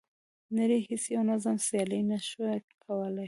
نړۍ هیڅ یو نظام سیالي نه شوه کولای.